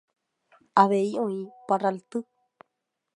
Avei oĩ parralty.